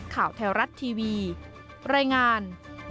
ข่าวแถวรัฐทีวีรายงาน